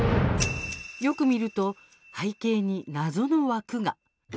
よく見ると、背景に謎の枠が。